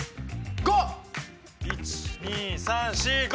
５！１２３４５。